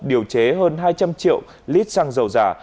điều chế hơn hai trăm linh triệu lít xăng dầu giả